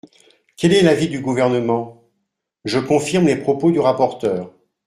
Quel est l’avis du Gouvernement ? Je confirme les propos du rapporteur.